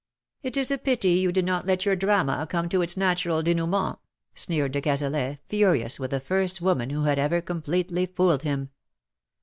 ^' It was a pity you did not let your drama come to its natural denouement," sneered de Cazalet, furious with the first woman who had ever com pletely fooled him.